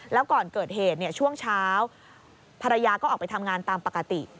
แล้วก่อนเกิดเหตุช่วงเช้าภรรยาก็ออกไปทำงานตามปกติ